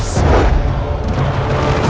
dia akan menjadi purga